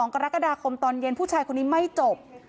กรกฎาคมตอนเย็นผู้ชายคนนี้ไม่จบ